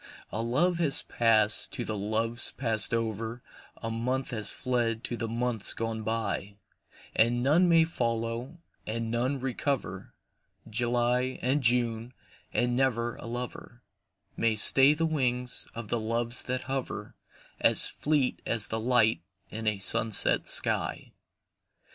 A love has passed to the loves passed over, A month has fled to the months gone by; And none may follow, and none recover July and June, and never a lover May stay the wings of the Loves that hover, As fleet as the light in a sunset sky.